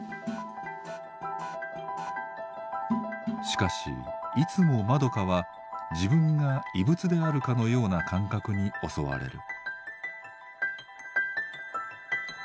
しかしいつもまどかは自分が異物であるかのような感覚に襲われる。